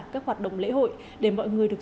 các hoạt động lễ hội để mọi người được